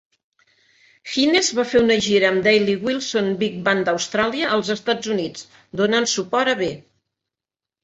Hines va fer una gira amb Daly-Wilson Big Band d'Austràlia als Estats Units, donant suport a B.